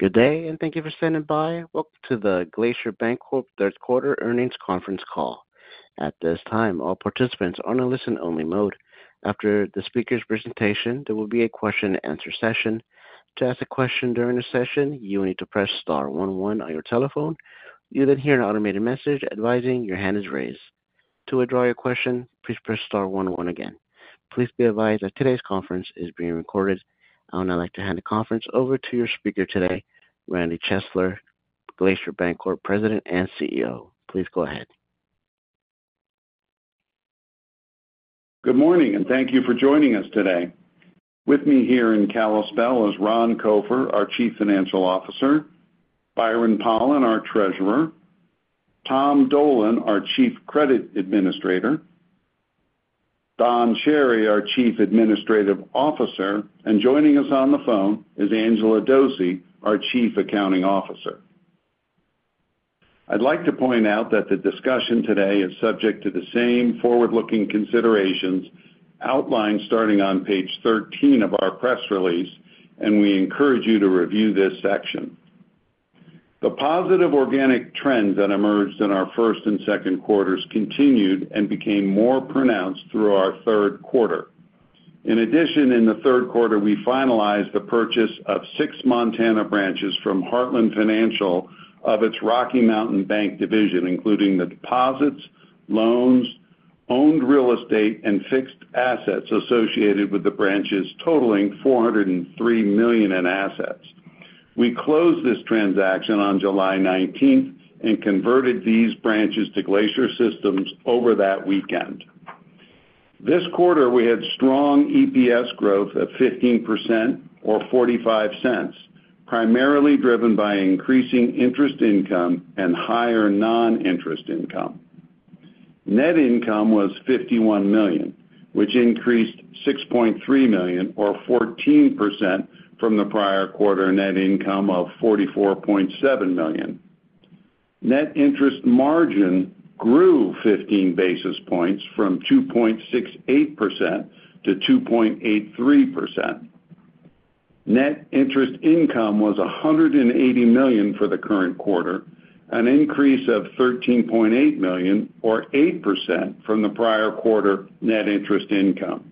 Good day, and thank you for standing by. Welcome to the Glacier Bancorp Third Quarter Earnings Conference Call. At this time, all participants are in a listen-only mode. After the speaker's presentation, there will be a question and answer session. To ask a question during the session, you will need to press star one one on your telephone. You'll then hear an automated message advising your hand is raised. To withdraw your question, please press star one one again. Please be advised that today's conference is being recorded. I would now like to hand the conference over to your speaker today, Randy Chesler, Glacier Bancorp President and CEO. Please go ahead. Good morning, and thank you for joining us today. With me here in Kalispell is Ron Copher, our Chief Financial Officer, Byron Pollan, our Treasurer, Tom Dolan, our Chief Credit Administrator, Don Cherry, our Chief Administrative Officer, and joining us on the phone is Angela Dossey, our Chief Accounting Officer. I'd like to point out that the discussion today is subject to the same forward-looking considerations outlined starting on page 13 of our press release, and we encourage you to review this section. The positive organic trends that emerged in our first and second quarters continued and became more pronounced through our third quarter. In addition, in the third quarter, we finalized the purchase of six Montana branches from Heartland Financial of its Rocky Mountain Bank division, including the deposits, loans, owned real estate, and fixed assets associated with the branches, totaling $403 million in assets. We closed this transaction on July 19th and converted these branches to Glacier systems over that weekend. This quarter, we had strong EPS growth of 15% or $0.45, primarily driven by increasing interest income and higher non-interest income. Net income was $51 million, which increased $6.3 million or 14% from the prior quarter net income of $44.7 million. Net interest margin grew 15 basis points from 2.68% to 2.83%. Net interest income was $180 million for the current quarter, an increase of $13.8 million, or 8% from the prior quarter net interest income.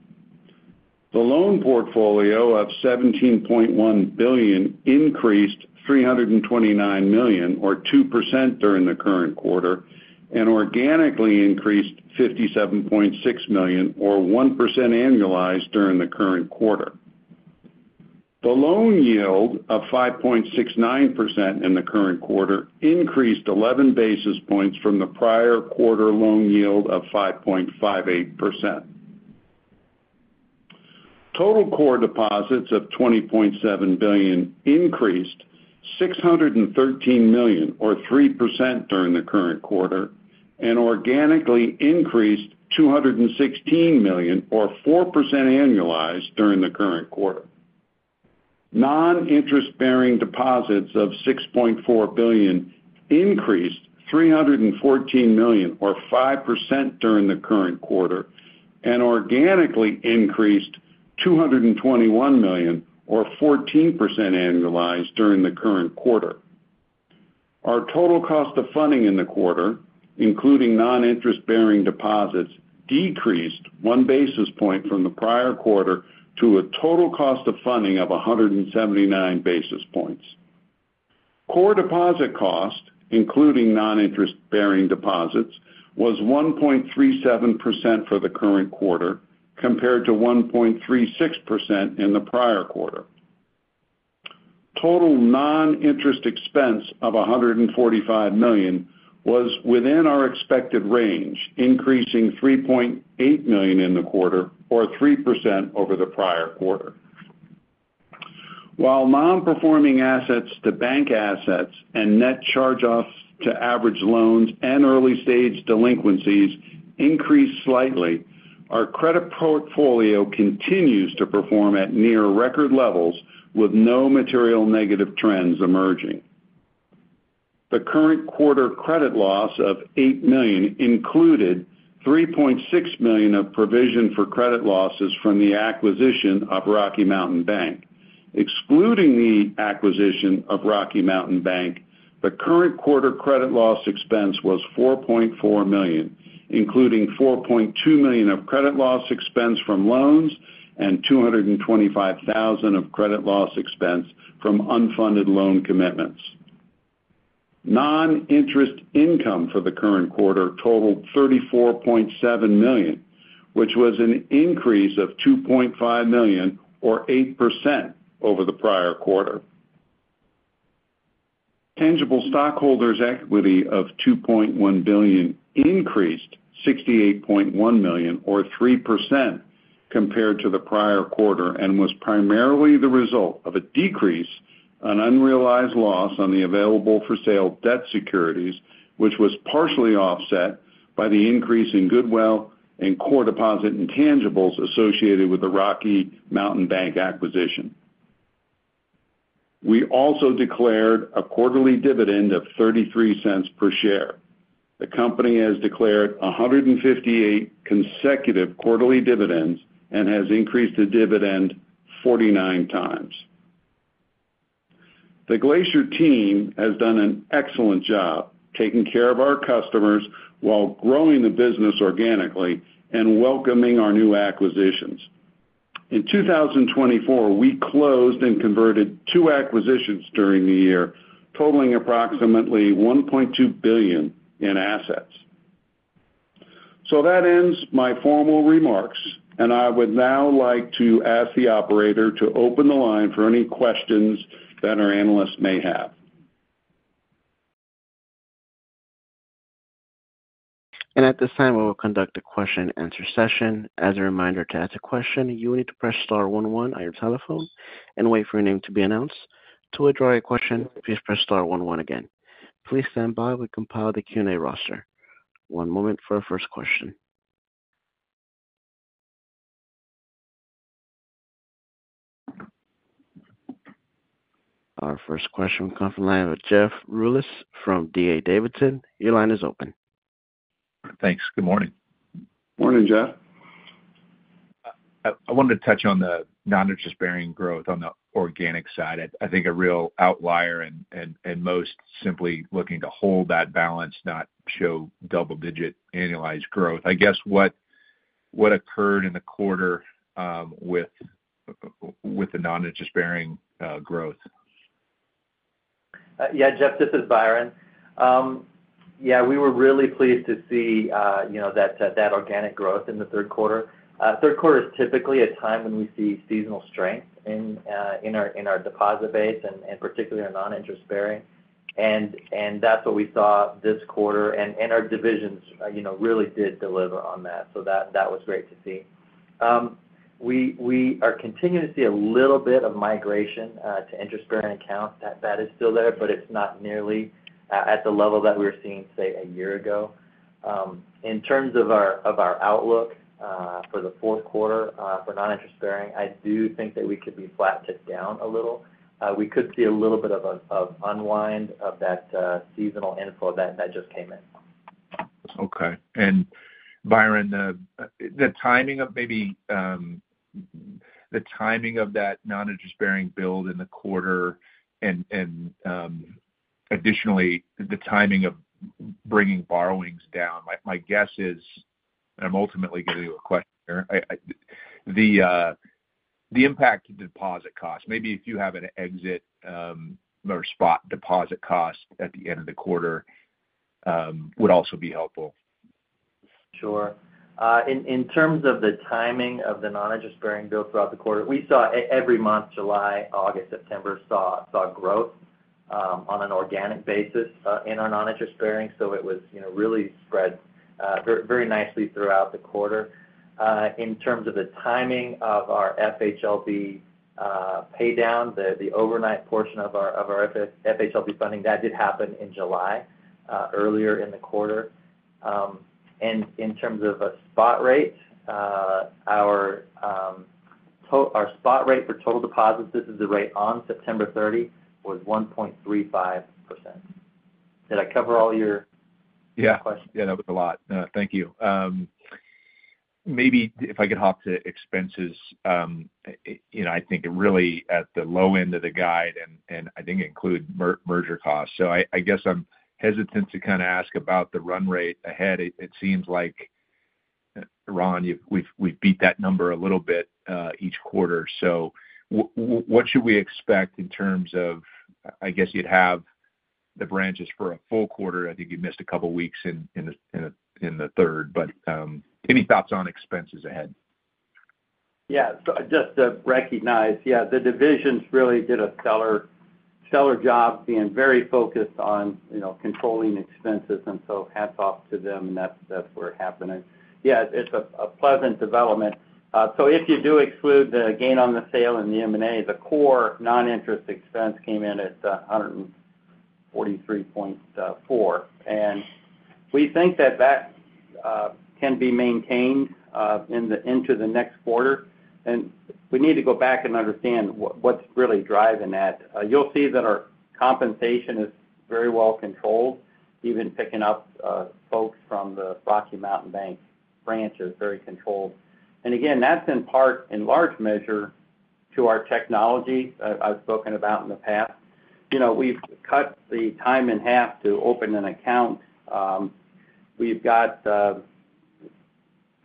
The loan portfolio of $17.1 billion increased $329 million, or 2% during the current quarter, and organically increased $57.6 million, or 1% annualized during the current quarter. The loan yield of 5.69% in the current quarter increased 11 basis points from the prior quarter loan yield of 5.58%. Total core deposits of $20.7 billion increased $613 million, or 3% during the current quarter, and organically increased $216 million, or 4% annualized during the current quarter. Non-interest-bearing deposits of $6.4 billion increased $314 million, or 5% during the current quarter, and organically increased $221 million, or 14% annualized during the current quarter. Our total cost of funding in the quarter, including non-interest-bearing deposits, decreased 1 basis point from the prior quarter to a total cost of funding of 179 basis points. Core deposit cost, including non-interest-bearing deposits, was 1.37% for the current quarter, compared to 1.36% in the prior quarter. Total non-interest expense of $145 million was within our expected range, increasing $3.8 million in the quarter, or 3% over the prior quarter. While nonperforming assets to bank assets and net charge-offs to average loans and early-stage delinquencies increased slightly, our credit portfolio continues to perform at near record levels with no material negative trends emerging. The current quarter credit loss of $8 million included $3.6 million of provision for credit losses from the acquisition of Rocky Mountain Bank. Excluding the acquisition of Rocky Mountain Bank, the current quarter credit loss expense was $4.4 million, including $4.2 million of credit loss expense from loans and $225,000 of credit loss expense from unfunded loan commitments. Non-interest income for the current quarter totaled $34.7 million, which was an increase of $2.5 million, or 8% over the prior quarter. Tangible stockholders' equity of $2.1 billion increased $68.1 million, or 3%, compared to the prior quarter, and was primarily the result of a decrease on unrealized loss on the available-for-sale debt securities, which was partially offset by the increase in goodwill and core deposit intangibles associated with the Rocky Mountain Bank acquisition. We also declared a quarterly dividend of $0.33 per share. The company has declared 158 consecutive quarterly dividends and has increased the dividend 49 times. The Glacier team has done an excellent job taking care of our customers while growing the business organically and welcoming our new acquisitions. In 2024, we closed and converted two acquisitions during the year, totaling approximately $1.2 billion in assets. So that ends my formal remarks, and I would now like to ask the operator to open the line for any questions that our analysts may have. At this time, we will conduct a question and answer session. As a reminder, to ask a question, you will need to press star one one on your telephone and wait for your name to be announced. To withdraw your question, please press star one one again. Please stand by. We compile the Q&A roster. One moment for our first question. Our first question will come from the line with Jeff Rulis from D.A. Davidson. Your line is open. Thanks. Good morning. Morning, Jeff. I wanted to touch on the non-interest-bearing growth on the organic side. I think a real outlier and most simply looking to hold that balance, not show double-digit annualized growth. I guess, what occurred in the quarter with the non-interest-bearing growth? Yeah, Jeff, this is Byron. Yeah, we were really pleased to see, you know, that organic growth in the third quarter. Third quarter is typically a time when we see seasonal strength in our deposit base and particularly in non-interest-bearing. And that's what we saw this quarter, and our divisions, you know, really did deliver on that. So that was great to see. We are continuing to see a little bit of migration to interest-bearing accounts. That is still there, but it's not nearly at the level that we were seeing, say, a year ago. In terms of our outlook for the fourth quarter for non-interest-bearing, I do think that we could be flat to down a little. We could see a little bit of an unwind of that seasonal inflow that just came in. Okay. And Byron, the timing of maybe the timing of that non-interest-bearing build in the quarter and additionally the timing of bringing borrowings down. My guess is, and I'm ultimately giving you a question here, the impact to deposit costs, maybe if you have an exit or spot deposit cost at the end of the quarter, would also be helpful? Sure. In terms of the timing of the non-interest bearing build throughout the quarter, we saw every month, July, August, September, saw growth on an organic basis in our non-interest bearing, so it was, you know, really spread very nicely throughout the quarter. In terms of the timing of our FHLB pay down, the overnight portion of our FHLB funding, that did happen in July earlier in the quarter. And in terms of a spot rate, our spot rate for total deposits, this is the rate on September thirty, was 1.35%. Did I cover all your? Yeah. Questions? Yeah, that was a lot. No, thank you. Maybe if I could hop to expenses, you know, I think really at the low end of the guide, and I think it include merger costs. So I guess I'm hesitant to kind of ask about the run rate ahead. It seems like, Ron, we've beat that number a little bit each quarter. So what should we expect in terms of, I guess you'd have the branches for a full quarter? I think you missed a couple of weeks in the third, but any thoughts on expenses ahead? Yeah. So just to recognize, yeah, the divisions really did a stellar job being very focused on, you know, controlling expenses, and so hats off to them, and that's where it's happening. Yeah, it's a pleasant development. So if you do exclude the gain on the sale and the M&A, the core non-interest expense came in at $143.4. And we think that that can be maintained into the next quarter, and we need to go back and understand what's really driving that. You'll see that our compensation is very well controlled, even picking up folks from the Rocky Mountain Bank branches, very controlled. And again, that's in part, in large measure to our technology I've spoken about in the past. You know, we've cut the time in half to open an account. We've got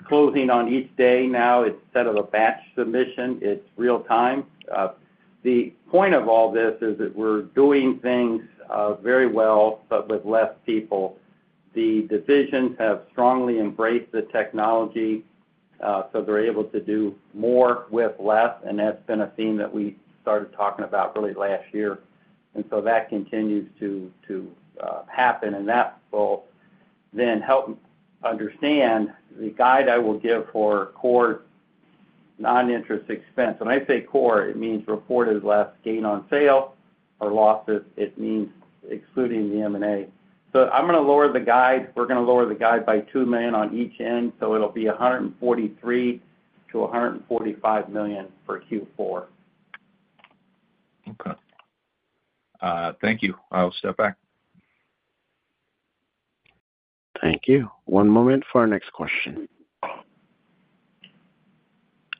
closing on each day now. Instead of a batch submission, it's real time. The point of all this is that we're doing things very well, but with less people. The divisions have strongly embraced the technology, so they're able to do more with less, and that's been a theme that we started talking about really last year. And so that continues to happen, and that will then help understand the guide I will give for core non-interest expense. When I say core, it means reported less gain on sale or losses. It means excluding the M&A, so I'm gonna lower the guide. We're gonna lower the guide by $2 million on each end, so it'll be $143 million-$145 million for Q4. Thank you. I'll step back. Thank you. One moment for our next question.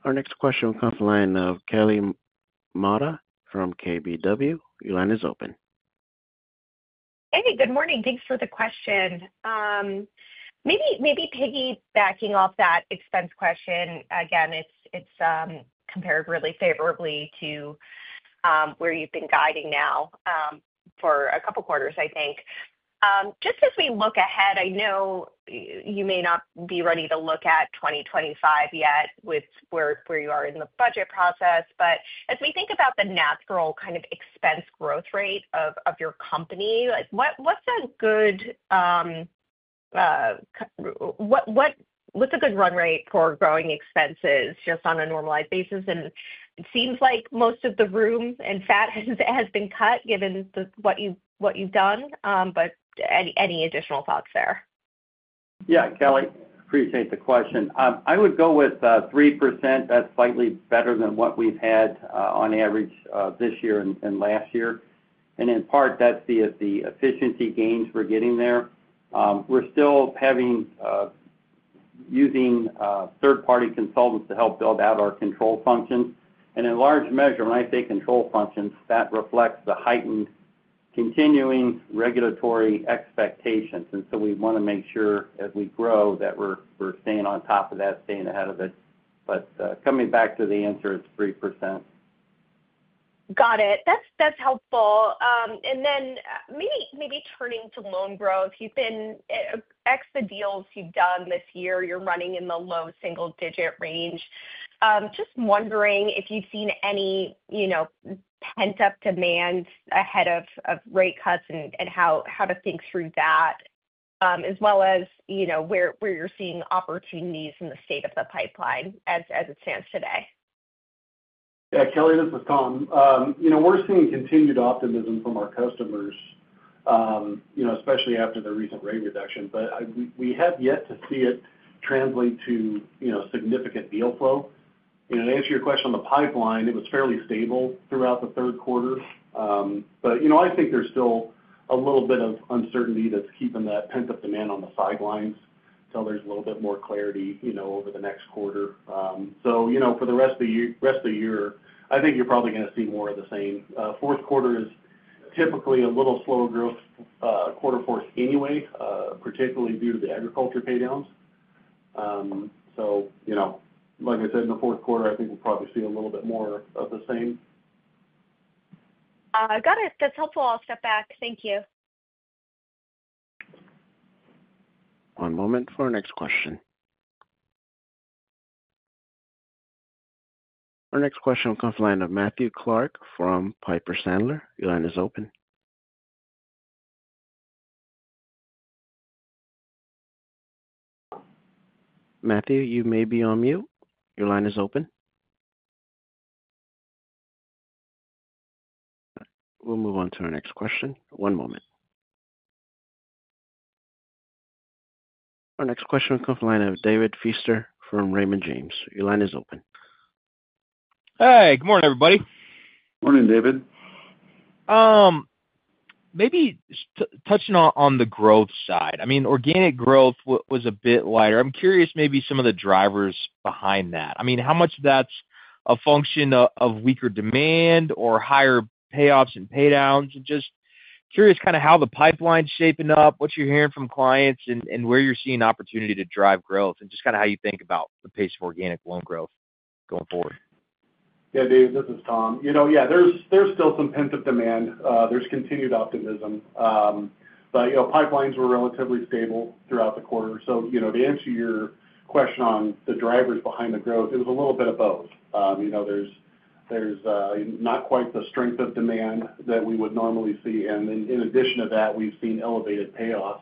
Our next question will come from the line of Kelly Motta from KBW. Your line is open. Hey, good morning. Thanks for the question. Maybe piggybacking off that expense question, again, it's compared really favorably to where you've been guiding now for a couple of quarters, I think. Just as we look ahead, I know you may not be ready to look at 2025 yet with where you are in the budget process, but as we think about the natural kind of expense growth rate of your company, like, what's a good run rate for growing expenses, just on a normalized basis? And it seems like most of the room and fat has been cut, given what you've done. But any additional thoughts there? Yeah, Kelly, appreciate the question. I would go with 3%. That's slightly better than what we've had on average this year and last year. And in part, that's the efficiency gains we're getting there. We're still using third-party consultants to help build out our control functions. And in large measure, when I say control functions, that reflects the heightened continuing regulatory expectations. And so we want to make sure as we grow, that we're staying on top of that, staying ahead of it. But coming back to the answer, it's 3%. Got it. That's, that's helpful. And then, maybe turning to loan growth, you've been excluding the deals you've done this year, you're running in the low single-digit range. Just wondering if you've seen any, you know, pent-up demand ahead of rate cuts and how to think through that, as well as, you know, where you're seeing opportunities in the state of the pipeline as it stands today? Yeah, Kelly, this is Tom. You know, we're seeing continued optimism from our customers, you know, especially after the recent rate reduction, but we have yet to see it translate to, you know, significant deal flow. You know, to answer your question on the pipeline, it was fairly stable throughout the third quarter, but you know, I think there's still a little bit of uncertainty that's keeping that pent-up demand on the sidelines till there's a little bit more clarity, you know, over the next quarter, so you know, for the rest of the year, I think you're probably going to see more of the same. Fourth quarter is typically a little slower growth quarter for us anyway, particularly due to the agriculture paydowns. So, you know, like I said, in the fourth quarter, I think we'll probably see a little bit more of the same. Got it. That's helpful. I'll step back. Thank you. One moment for our next question. Our next question comes from the line of Matthew Clark from Piper Sandler. Your line is open. Matthew, you may be on mute. Your line is open. We'll move on to our next question. One moment. Our next question comes from the line of David Feaster from Raymond James. Your line is open. Hey, good morning, everybody. Morning, David. Maybe touching on the growth side. I mean, organic growth was a bit lighter. I'm curious, maybe some of the drivers behind that. I mean, how much of that's a function of weaker demand or higher payoffs and paydowns? Just curious kind of how the pipeline's shaping up, what you're hearing from clients, and where you're seeing opportunity to drive growth, and just kind of how you think about the pace of organic loan growth going forward? Yeah, David, this is Tom. You know, yeah, there's still some pent-up demand. There's continued optimism, but you know, pipelines were relatively stable throughout the quarter, so you know, to answer your question on the drivers behind the growth, it was a little bit of both. You know, there's not quite the strength of demand that we would normally see. And then in addition to that, we've seen elevated payoffs.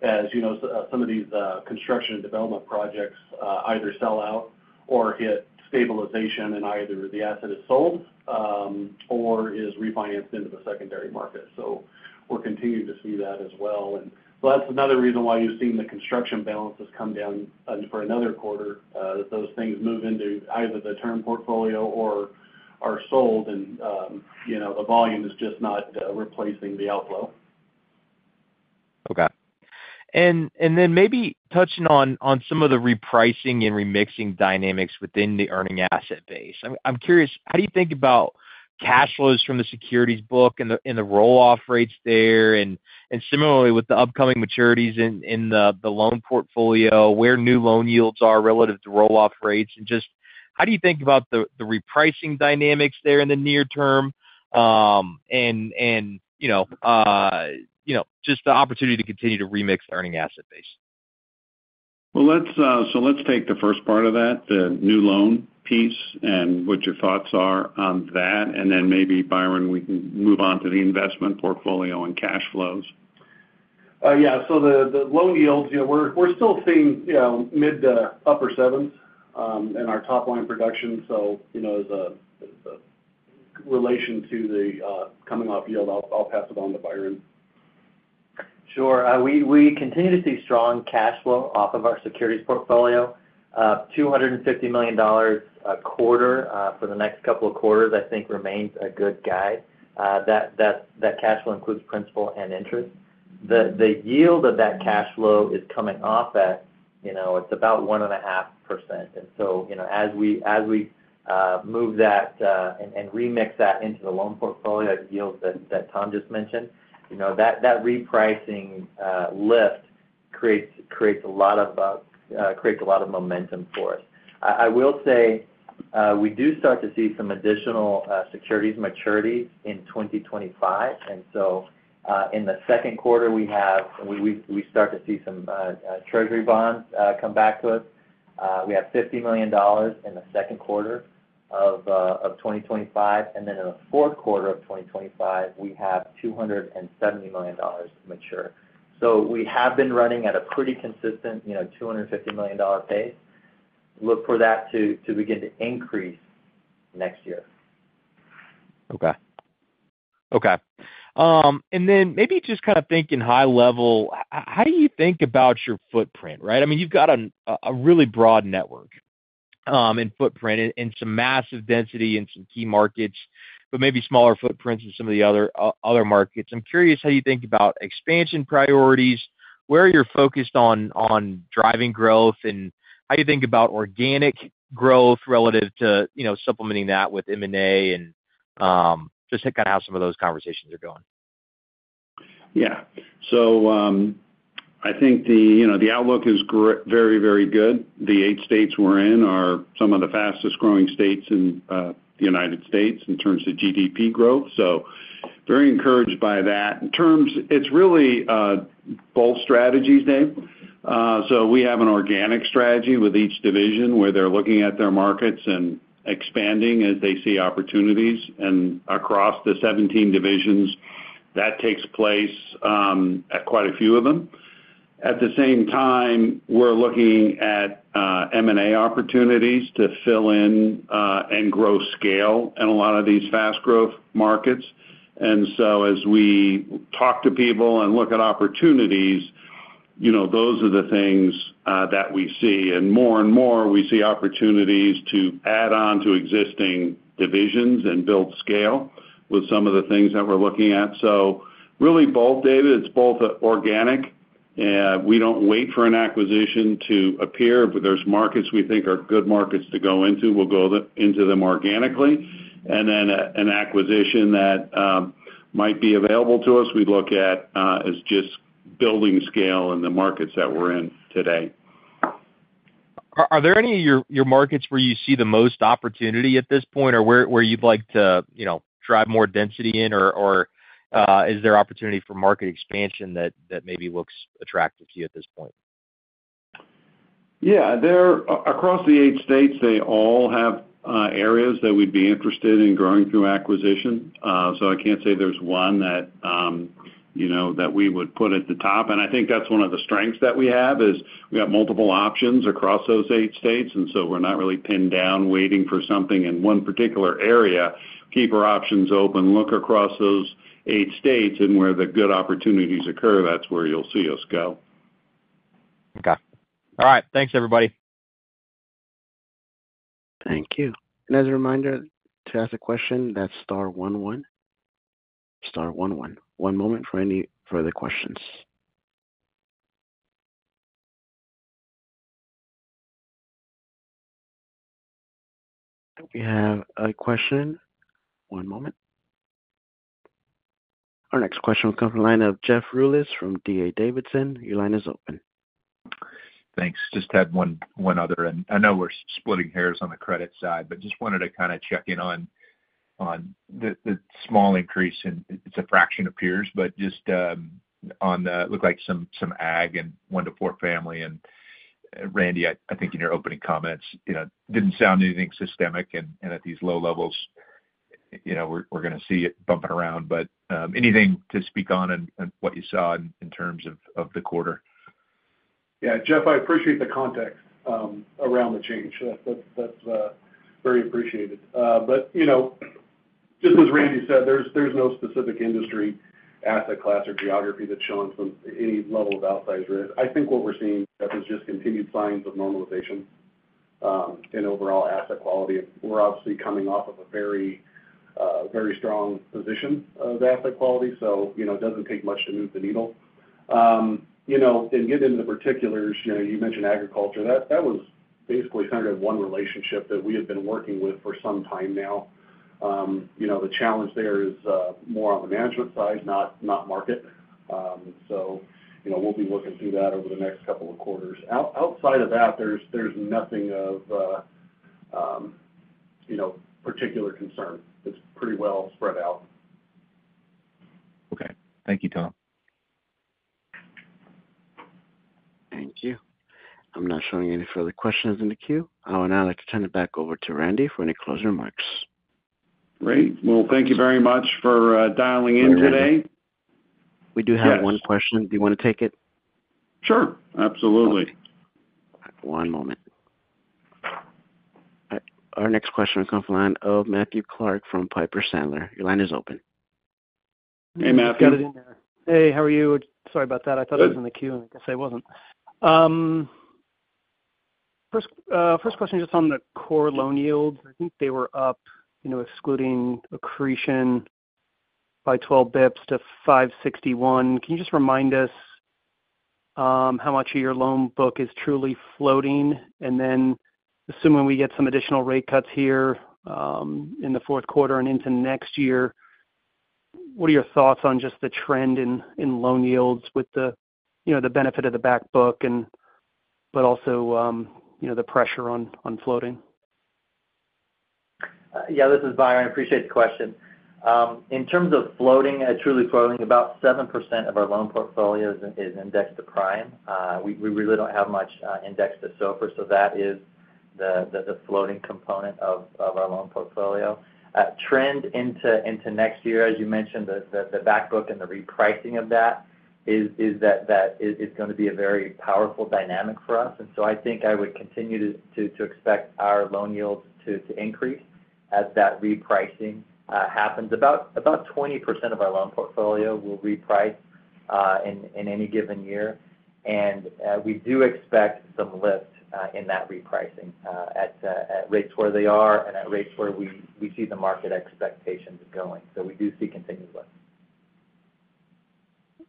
As you know, some of these construction and development projects either sell out or hit stabilization, and either the asset is sold or is refinanced into the secondary market, so we're continuing to see that as well. And so that's another reason why you've seen the construction balances come down for another quarter, that those things move into either the term portfolio or are sold, and you know, the volume is just not replacing the outflow. Okay. And then maybe touching on some of the repricing and remixing dynamics within the earning asset base. I'm curious, how do you think about cash flows from the securities book and the roll-off rates there? And similarly, with the upcoming maturities in the loan portfolio, where new loan yields are relative to roll-off rates, and just how do you think about the repricing dynamics there in the near term? And, you know, you know, just the opportunity to continue to remix the earning asset base. Let's take the first part of that, the new loan piece, and what your thoughts are on that, and then maybe, Byron, we can move on to the investment portfolio and cash flows. Yeah. So the loan yields, you know, we're still seeing, you know, mid to upper sevens in our top line production. So, you know, as a relation to the coming off yield, I'll pass it on to Byron. Sure. We continue to see strong cash flow off of our securities portfolio. $250 million a quarter for the next couple of quarters, I think, remains a good guide. That cash flow includes principal and interest. The yield of that cash flow is coming off at, you know, it's about 1.5%. And so, you know, as we move that and reinvest that into the loan portfolio, that yield that Tom just mentioned, you know, that repricing lift creates a lot of momentum for us. I will say, we do start to see some additional securities maturities in 2025. And so, in the second quarter, we start to see some treasury bonds come back to us. We have $50 million in the second quarter of 2025, and then in the fourth quarter of 2025, we have $270 million mature. So we have been running at a pretty consistent, you know, $250 million dollar pace. Look for that to begin to increase next year. Okay. Okay. And then maybe just kind of thinking high level, how do you think about your footprint, right? I mean, you've got a really broad network, and footprint and some massive density in some key markets, but maybe smaller footprints in some of the other, other markets. I'm curious how you think about expansion priorities, where you're focused on driving growth, and how you think about organic growth relative to, you know, supplementing that with M&A, and just kind of how some of those conversations are going? Yeah. So, I think the, you know, the outlook is very, very good. The eight states we're in are some of the fastest growing states in the United States in terms of GDP growth. So very encouraged by that. In terms, it's really both strategies, Dave. So we have an organic strategy with each division, where they're looking at their markets and expanding as they see opportunities. Across the 17 divisions, that takes place at quite a few of them. At the same time, we're looking at M&A opportunities to fill in and grow scale in a lot of these fast growth markets. So as we talk to people and look at opportunities, you know, those are the things that we see. And more and more, we see opportunities to add on to existing divisions and build scale with some of the things that we're looking at. So really both, David, it's both organic. We don't wait for an acquisition to appear. If there's markets we think are good markets to go into, we'll go into them organically. And then an acquisition that might be available to us, we look at as just building scale in the markets that we're in today. Are there any of your markets where you see the most opportunity at this point, or where you'd like to, you know, drive more density in, or is there opportunity for market expansion that maybe looks attractive to you at this point? Yeah. There, across the eight states, they all have areas that we'd be interested in growing through acquisition. So I can't say there's one that, you know, that we would put at the top, and I think that's one of the strengths that we have, is we have multiple options across those eight states, and so we're not really pinned down, waiting for something in one particular area. Keep our options open, look across those eight states, and where the good opportunities occur, that's where you'll see us go. Okay. All right. Thanks, everybody. Thank you. And as a reminder, to ask a question, that's star one one, star one one. One moment for any further questions. We have a question. One moment. Our next question will come from the line of Jeff Rulis from D.A. Davidson. Your line is open. Thanks. Just had one other, and I know we're splitting hairs on the credit side, but just wanted to kind of check in on the small increase in... It's a fraction of peers, but just on the looked like some ag and one to four family. And Randy, I think in your opening comments, you know, didn't sound anything systemic, and at these low levels, you know, we're gonna see it bumping around. But anything to speak on and what you saw in terms of the quarter? Yeah, Jeff, I appreciate the context around the change. So that's, that's very appreciated. But, you know, just as Randy said, there's, there's no specific industry, asset class, or geography that's showing some, any level of outsized risk. I think what we're seeing, Jeff, is just continued signs of normalization in overall asset quality. We're obviously coming off of a very, very strong position of asset quality, so, you know, it doesn't take much to move the needle. You know, and getting into the particulars, you know, you mentioned agriculture. That, that was basically kind of one relationship that we had been working with for some time now. You know, the challenge there is more on the management side, not, not market. So, you know, we'll be working through that over the next couple of quarters. Outside of that, there's nothing of, you know, particular concern. It's pretty well spread out. Okay. Thank you, Tom. Thank you. I'm not showing any further questions in the queue. I would now like to turn it back over to Randy for any closing remarks. Great. Well, thank you very much for dialing in today. We do have. Yes. One question. Do you wanna take it? Sure. Absolutely. Our next question will come from the line of Matthew Clark from Piper Sandler. Your line is open. Hey, Matthew. Hey, how are you? Sorry about that. I thought I was in the queue, and I guess I wasn't. First question, just on the core loan yields. I think they were up, you know, excluding accretion by 12 basis points to 561. Can you just remind us how much of your loan book is truly floating? And then assuming we get some additional rate cuts here in the fourth quarter and into next year, what are your thoughts on just the trend in loan yields with the, you know, the benefit of the back book and, but also, you know, the pressure on floating? Yeah, this is Byron. I appreciate the question. In terms of floating, truly floating, about 7% of our loan portfolio is indexed to prime. We really don't have much indexed to SOFR, so that is the floating component of our loan portfolio. Trending into next year, as you mentioned, the back book and the repricing of that is that is going to be a very powerful dynamic for us. So I think I would continue to expect our loan yields to increase as that repricing happens. About 20% of our loan portfolio will reprice in any given year. We do expect some lift in that repricing at rates where they are and at rates where we see the market expectations going. So we do see continuous lift.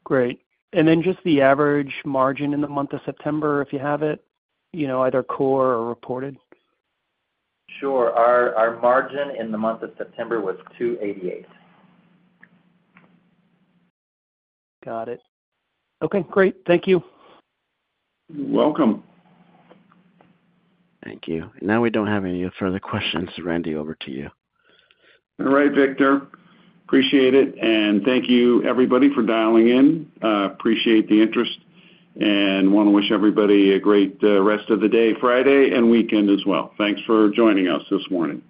Great. And then just the average margin in the month of September, if you have it, you know, either core or reported? Sure. Our margin in the month of September was $288. Got it. Okay, great. Thank you. You're welcome. Thank you. Now, we don't have any further questions. Randy, over to you. All right, Victor. Appreciate it, and thank you everybody for dialing in. Appreciate the interest, and want to wish everybody a great, rest of the day, Friday, and weekend as well. Thanks for joining us this morning.